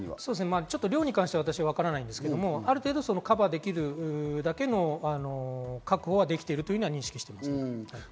量に関して私はわからないんですけれども、ある程度カバーできるだけの確保はできているというふうに認識しています。